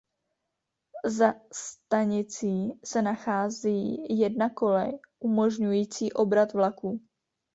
Za stanicí se nachází jedna kolej umožňující obrat vlaků.